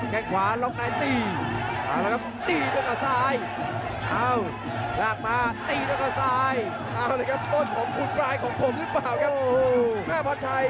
แค่ขวาลงในน่าตีตีด้วยขวาสาย